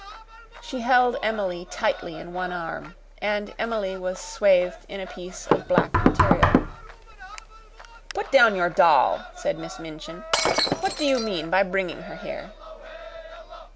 She held Emily tightly in one arm, and Emily was swathed in a piece of black material. "Put down your doll," said Miss Minchin. "What do you mean by bringing her here?"